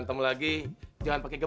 nah kalau ubay keluar